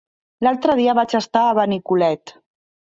L'altre dia vaig estar a Benicolet.